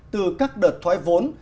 từ các đợt thoái vốn